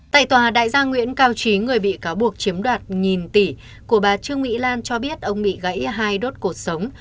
tại tòa đại gia nguyễn cao trí người bị cáo buộc chiếm đoạt nghìn tỷ của bà trương mỹ lan cho biết ông bị gãy hai đốt cuộc sống